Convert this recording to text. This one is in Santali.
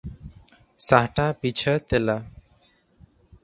ᱥᱟᱦᱴᱟᱹ ᱯᱤᱪᱷᱟᱹ ᱛᱮᱞᱟ